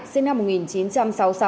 sinh năm một nghìn chín trăm sáu mươi sáu